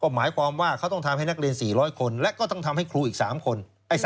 หมายความว่าเขาต้องทำให้นักเรียน๔๐๐คนและก็ต้องทำให้ครูอีก๓คน